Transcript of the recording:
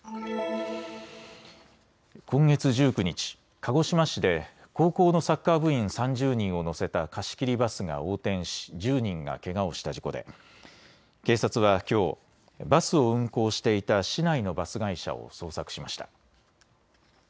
今月１９日、鹿児島市で高校のサッカー部員３０人を乗せた貸し切りバスが横転し１０人がけがをした事故で警察はきょう、バスを運行していた市内のバス会社を捜索しました。